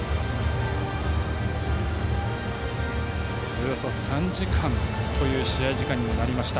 およそ３時間という試合時間でした。